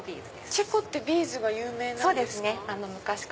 チェコってビーズが有名なんですか？